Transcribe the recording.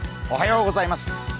おはようございます。